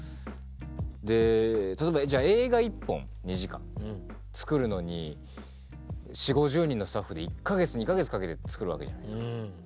で例えば映画１本２時間作るのに４０５０人のスタッフで１か月２か月かけて作るわけじゃないですか。